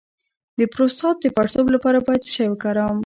د پروستات د پړسوب لپاره باید څه شی وکاروم؟